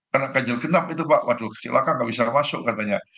karena kejel kenap itu pak waduh silahkan gak bisa masuk katanya